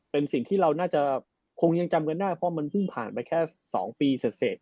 เป็นสิ่งที่เราน่าจะคงยังจำกันได้เพราะมันเพิ่งผ่านไปแค่๒ปีเสร็จ